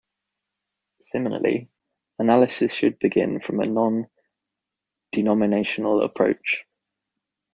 Similarly, analysis should begin from a non-denominational approach.